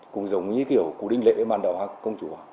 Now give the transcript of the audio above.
cũng giống như kiểu cú đinh lệ với màn đạo hác công chúa